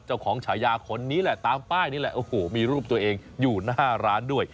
ฉายาคนนี้แหละตามป้ายนี่แหละโอ้โหมีรูปตัวเองอยู่หน้าร้านด้วย